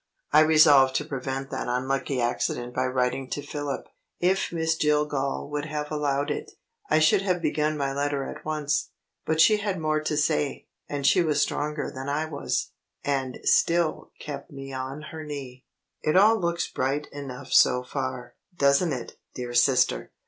I resolved to prevent that unlucky accident by writing to Philip. If Miss Jillgall would have allowed it, I should have begun my letter at once. But she had more to say; and she was stronger than I was, and still kept me on her knee. "It all looks bright enough so far, doesn't it, dear sister?